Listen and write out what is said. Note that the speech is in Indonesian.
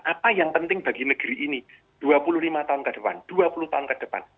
apa yang penting bagi negeri ini dua puluh lima tahun ke depan dua puluh tahun ke depan